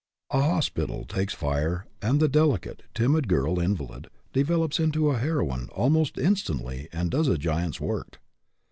A hospital takes fire and the delicate, timid girl invalid develops into a heroine almost instantly and does a giant's work.